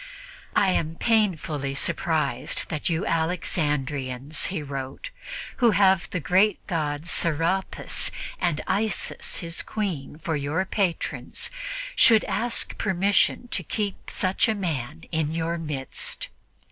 "I am painfully surprised that you Alexandrians," he wrote, "who have the great god Serapis and Isis his Queen for your patrons, should ask permission to keep such a man in your midst.